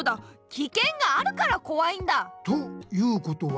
きけんがあるからこわいんだ！ということは？